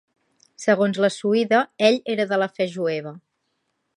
Segons la "Suïda", ell era de la fe jueva.